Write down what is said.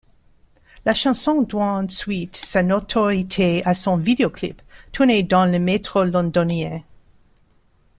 La chanson doit ensuite sa notoriété à son vidéoclip, tourné dans le métro londonien.